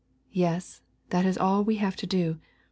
Yes, that is all we have to do.